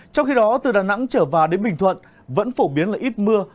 trong khi đó từ đà nẵng trở vào đến bình thuận vẫn phổ biến là ít mưa